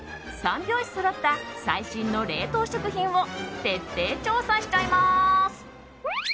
３拍子そろった最新の冷凍食品を徹底調査しちゃいます。